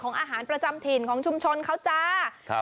ของอาหารประจำถิ่นของชุมชนเขาจ้า